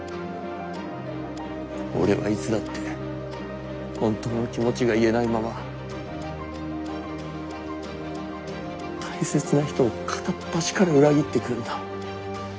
俺はいつだって本当の気持ちが言えないまま大切な人を片っ端から裏切ってくんだ。